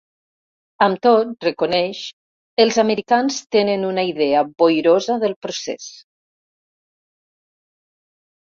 Amb tot, reconeix: ‘Els americans tenen una idea ‘boirosa del procés’.